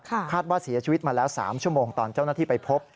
คาดว่าเสียชีวิตมาแล้ว๓ชั่วโมงตอนเจ้าหน้าที่ไปพบ